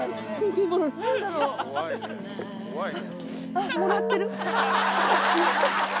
あっもらってる？